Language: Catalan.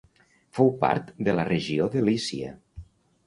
Fou part de la regió de Lícia.